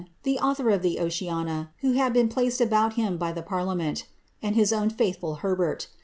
117 fxhe author of the ^ Oceana,*^ who had been placed about him by the parliament^) and his own faithful Herbert.